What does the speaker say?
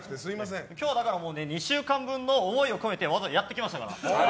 だから今日は２週間分の思いを込めてわざわざやってきましたから。